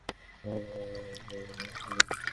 আমার বাবা মা একে অপরকে খুব ভালোবাসেন!